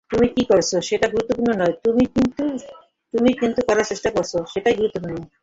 তুমি কি করছ সেটা গুরুত্বপূর্ণ নয় তুমি কিছু করার চেষ্টা করছো সেটাই গুরুত্বপূর্ণ।